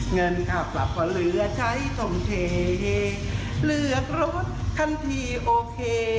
เงินค่าปรับก็เหลือใช้ต้องเทเลือกรถคันที่โอเค